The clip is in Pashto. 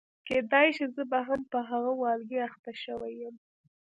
کېدای شي زه به هم په هغه والګي اخته شوې یم.